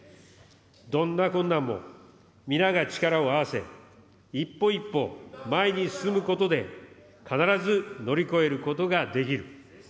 どんな困難も皆が力を合わせ、一歩一歩前に進むことで、必ず乗り越えることができる。